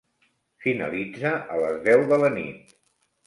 Finalitza a les deu de la nit.